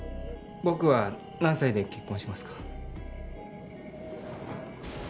僕は何歳で結婚しますか？